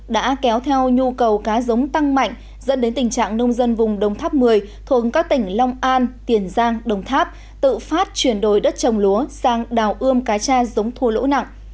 đã kéo theo nhu cầu cá giống tăng mạnh dẫn đến tình trạng nông dân vùng đông tháp một mươi thuộc các tỉnh long an tiền giang đồng tháp tự phát chuyển đổi đất trồng lúa sang đào ươm cá cha giống thua lỗ nặng